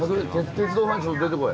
鉄道ファンちょっと出てこい。